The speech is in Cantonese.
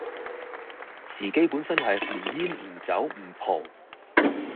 自己本身係唔煙唔酒唔浦